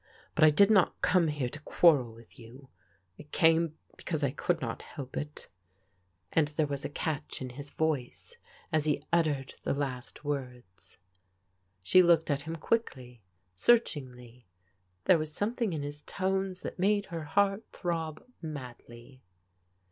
But I did not come here to quarrel with you. I came because I could not help it," and there was a catch in his voice as he uttered the last words. She looked at him quickly, searchingly. There was something in his tones that made her heart throb madly.